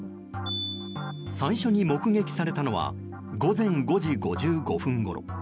最初に目撃されたのは午前５時５５分ごろ。